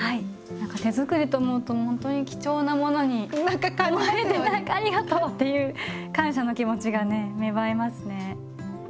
何か手づくりと思うと本当に貴重なものに思われてありがとうっていう感謝の気持ちがね芽生えますね。